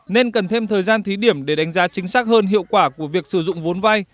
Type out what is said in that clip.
nên cần thêm thời gian thí điểm để đánh giá chính xác hơn hiệu quả của việc sử dụng vốn vay